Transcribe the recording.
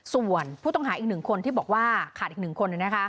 ส่วนผู้ต้องหาอีก๑คนที่บอกว่าขาดอีก๑คน